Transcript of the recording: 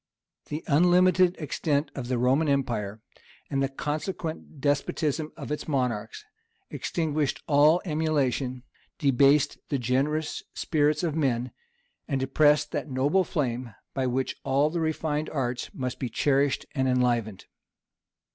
The unlimited extent of the Roman empire, and the consequent despotism of its monarchs, extinguished all emulation, debased the generous spirits of men, and depressed that noble flame by which all the refined arts must be cherished and enlivened.